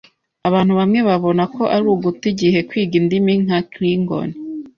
Abantu bamwe babona ko ari uguta igihe kwiga indimi nka Klingon,